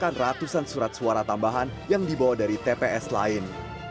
dan kembali ditolak dengan alasan surat suara tambahan yang dibawa dari tps lain